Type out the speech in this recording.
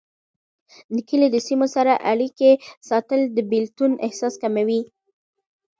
د کلي د سیمو سره اړيکې ساتل، د بیلتون احساس کموي.